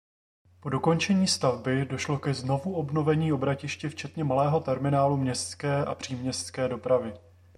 Po dokončení stavby došlo ke znovuobnovení obratiště včetně malého terminálu městské a příměstské dopravy.